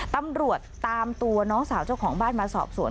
ตำรวจตามตัวน้องสาวเจ้าของบ้านมาสอบสวน